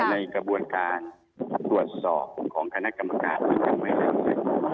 ในกระบวนการตรวจสอบของคณะกรรมการมันยังไม่เหลือเสร็จ